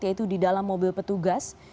yaitu di dalam mobil petugas